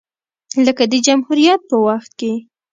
لکه د جمهوریت په وخت کې